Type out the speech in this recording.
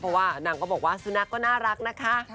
เพราะว่านางก็บอกว่าสุนัขก็น่ารักนะคะ